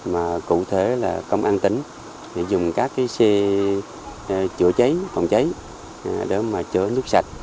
mà cụ thể là công an tỉnh dùng các cái xe chữa cháy phòng cháy để mà chữa nước sạch